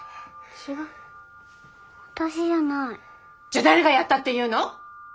じゃあ誰がやったっていうの！